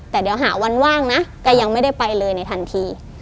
แต่เดี๋ยวหาวันว่างนะก็ยังไม่ได้ไปเลยในทันที